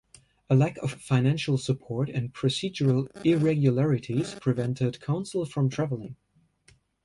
A lack of financial support and procedural irregularities prevented counsel from traveling.